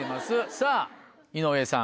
さぁ井上さん。